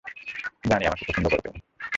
জানি, আমাকে পছন্দ করো তুমি!